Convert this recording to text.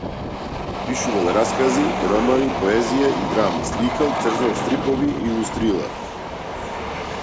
Пишувал раскази, романи, поезија и драми, сликал, цртал стрипови, илустрирал.